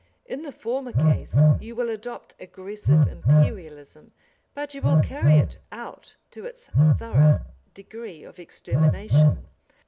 In the former case you will adopt aggressive Imperialism, but you will carry it out to its "thorough" degree of extermination.